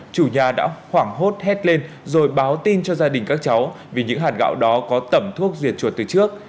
chủ nhà đã khoảng hốt hét lên rồi báo tin cho gia đình các cháu vì những hạt gạo đó có tẩm thuốc diệt chuột từ trước